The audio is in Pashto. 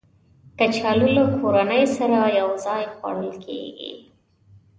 کچالو له کورنۍ سره یو ځای خوړل کېږي